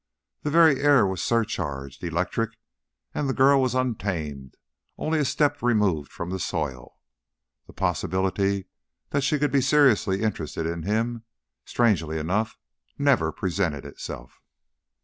The very air was surcharged, electric, and the girl was untamed, only a step removed from the soil. The possibility that she could be seriously interested in him, strangely enough, never presented itself.